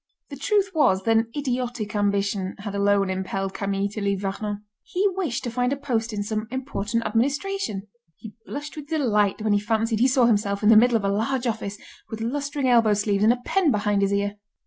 The truth was that an idiotic ambition had alone impelled Camille to leave Vernon. He wished to find a post in some important administration. He blushed with delight when he fancied he saw himself in the middle of a large office, with lustring elbow sleeves, and a pen behind his ear.